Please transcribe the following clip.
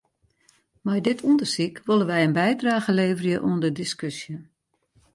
Mei dit ûndersyk wolle wy in bydrage leverje oan de diskusje.